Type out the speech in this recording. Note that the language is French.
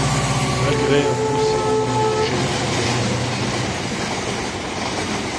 Malgré un procès, elle ne put jamais récupérer ce qui lui était dû.